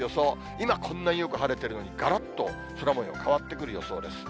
今、こんなによく晴れてるのに、がらっと空もよう変わってくる予想です。